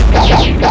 terima kasih kisana